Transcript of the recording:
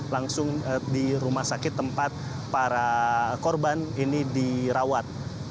langsung di rumah sakit tempat para korban ini dirawat